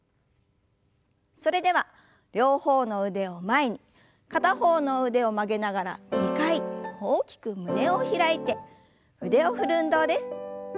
それでは両方の腕を前に片方の腕を曲げながら２回大きく胸を開いて腕を振る運動です。